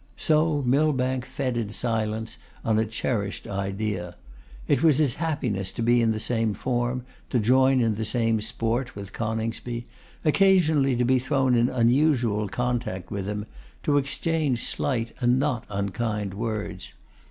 So Millbank fed in silence on a cherished idea. It was his happiness to be in the same form, to join in the same sport, with Coningsby; occasionally to be thrown in unusual contact with him, to exchange slight and not unkind words.